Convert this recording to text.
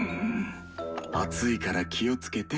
熱いから気をつけて。